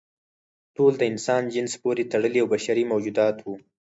ټول د انسان جنس پورې تړلي او بشري موجودات وو.